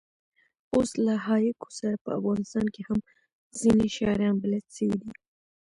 اوس له هایکو سره په افغانستان کښي هم ځیني شاعران بلد سوي دي.